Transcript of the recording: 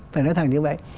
phải nói thẳng như vậy